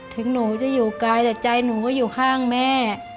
ถึงหนูจะอยู่ไกลแต่ใจหนูก็อยู่ข้างแม่